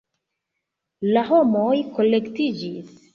La homoj kolektiĝis.